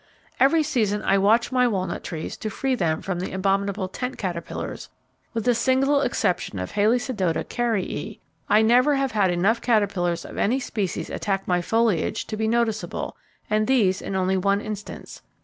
Every season I watch my walnut trees to free them from the abominable 'tent' caterpillars; with the single exception of Halesidota Caryae, I never have had enough caterpillars of any species attack my foliage to be noticeable; and these in only one instance.